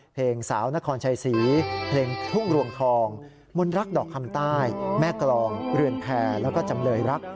เพลงสาวนครชัยศรีเพลงทุ่งรวงทองมนรักดอกคำใต้แม่กรองเรือนแพรแล้วก็จำเลยรัก